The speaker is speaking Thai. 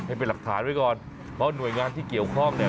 ให้เป็นหลักฐานไว้ก่อนเพราะหน่วยงานที่เกี่ยวข้องเนี่ย